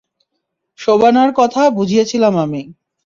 শোবানার কথা বুঝিয়েছিলাম আমি।